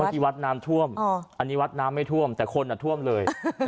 กี่วัดน้ำท่วมอันนี้วัดน้ำไม่ท่วมแต่คนท่วมเลย